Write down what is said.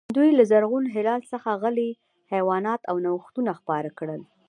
دوی له زرغون هلال څخه غلې، حیوانات او نوښتونه خپاره کړي.